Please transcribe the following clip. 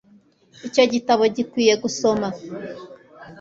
Iki gitabo gikwiye gusoma